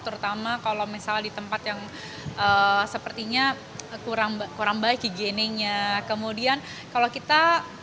terutama kalau misalnya di tempat yang sepertinya kurang kurang baik higiene nya kemudian kalau kita